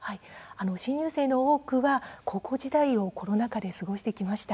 新入生の多くは高校時代をずっとコロナ禍で過ごしてきました。